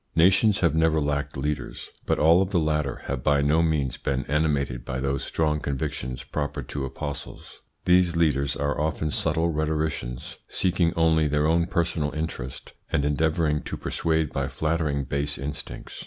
Nations have never lacked leaders, but all of the latter have by no means been animated by those strong convictions proper to apostles. These leaders are often subtle rhetoricians, seeking only their own personal interest, and endeavouring to persuade by flattering base instincts.